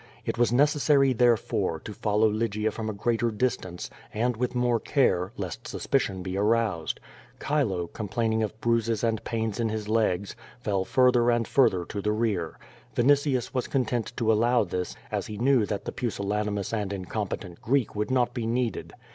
It was necessary, therefore, to follow Lygia from a greater distance, and with more care, lest suspicion be aroused. Chilo, complaining of bruises and pains in his legs, fell further and further to the rear. Vini tius was content to allow this, as he knew that the pusillani mous and incompetent Greek would not be needed.